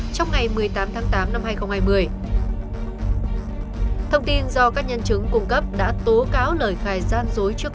trong ngày một mươi tám tháng tám năm hai nghìn hai thông tin do các nhân chứng cung cấp đã tố cáo lời khai gian dối trước